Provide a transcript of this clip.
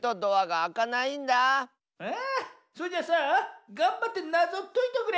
あそれじゃあさがんばってなぞをといとくれ。